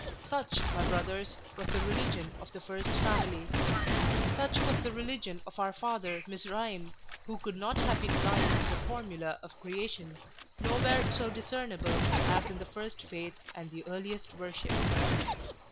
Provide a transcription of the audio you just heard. Such, my brothers, was the religion of the first family; such was the religion of our father Mizraim, who could not have been blind to the formula of creation, nowhere so discernible as in the first faith and the earliest worship.